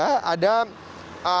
dan juga yang ketiga